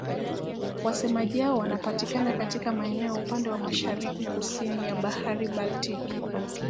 Wasemaji wao wanapatikana katika maeneo upande wa mashariki-kusini ya Bahari Baltiki.